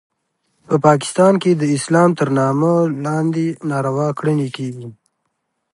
په پاکستان کې د اسلام تر نامه لاندې ناروا کړنې کیږي